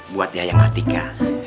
buat yayang atika